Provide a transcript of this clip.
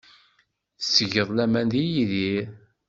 Tettgeḍ laman deg Yidir.